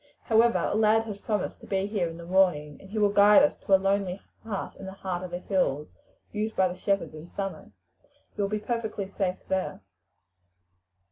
However, a lad has promised to be here in the morning, and he will guide us to a lonely hut in the heart of the hills, used by the shepherds in summer. You will be perfectly safe there."